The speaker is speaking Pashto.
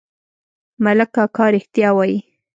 ملک اکا رښتيا وايي.